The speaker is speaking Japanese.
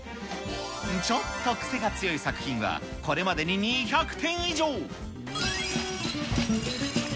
ちょっと癖が強い作品はこれまでに２００点以上。